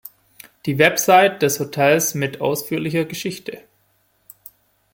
Die Website des Hotels mit ausführlicher Geschichte